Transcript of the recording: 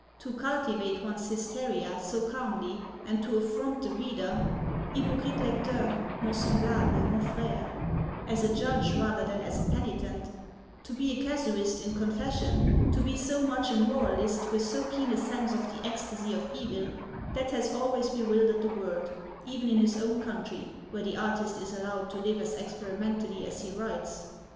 To 'cultivate one's hysteria' so calmly, and to affront the reader (Hypocrite lecteur, mon semblable, mon frère) as a judge rather than as a penitent; to be a casuist in confession; to be so much a moralist, with so keen a sense of the ecstasy of evil: that has always bewildered the world, even in his own country, where the artist is allowed to live as experimentally as he writes.